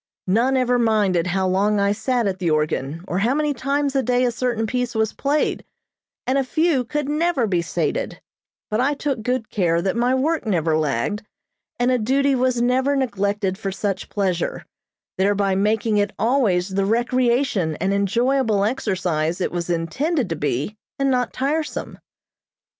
None ever minded how long I sat at the organ, or how many times a day a certain piece was played, and a few could never be sated; but I took good care that my work never lagged, and a duty was never neglected for such pleasure, thereby making it always the recreation and enjoyable exercise it was intended to be and not tiresome.